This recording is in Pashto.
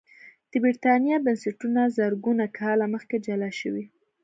د برېټانیا بنسټونه زرګونه کاله مخکې جلا شوي